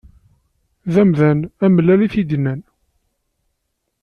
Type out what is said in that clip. D amdan amellal i t-id-yennan.